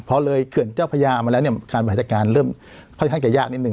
พอเลยเขื่อนเจ้าพญามาแล้วเนี่ยการบริหารจัดการเริ่มค่อนข้างจะยากนิดนึ